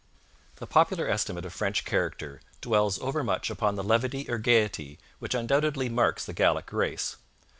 The popular estimate of French character dwells overmuch upon the levity or gaiety which undoubtedly marks the Gallic race.